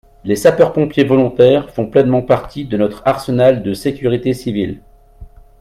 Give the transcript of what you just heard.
Les sapeurs-pompiers volontaires font pleinement partie de notre arsenal de sécurité civile.